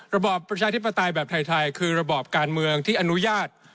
ระบอบประชาธิปไตยแบบไทยคือระบอบการเมืองที่อนุญาต